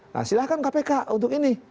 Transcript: nah silahkan kpk untuk ini